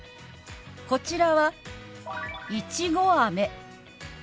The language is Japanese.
こちらは「いちごあめ」。